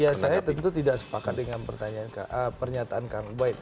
ya saya tentu tidak sepakat dengan pertanyaan kang wight